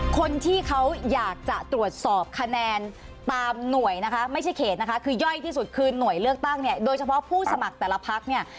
คนที่เขาอยากจะตรวจสอบคะแนนตามหน่วยนะคะไม่ใช่เขตนะคะคือย่อยที่สุดคือหน่วยเลือกตั้งเนี่ยโดยเฉพาะผู้สมัครแต่ละพักเนี่ย